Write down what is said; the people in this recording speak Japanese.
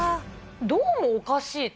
どうもおかしいと。